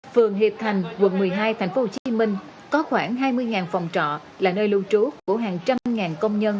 phường hiệp thành quận một mươi hai tp hcm có khoảng hai mươi phòng trọ là nơi lưu trú của hàng trăm ngàn công nhân